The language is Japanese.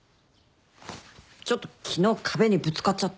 ちょっと昨日壁にぶつかっちゃって。